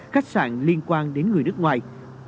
khách sạn liên quan đến người nước ngoài